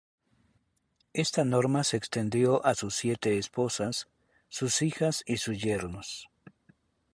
Esta norma se extendió a sus siete esposas, sus hijas y sus yernos.